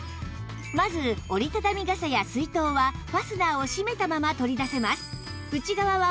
まず折り畳み傘や水筒はファスナーを閉めたまま取り出せます